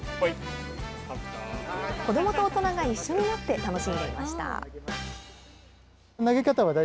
子どもと大人が一緒になって楽しんでいました。